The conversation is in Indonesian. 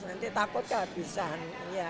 nanti takut kehabisan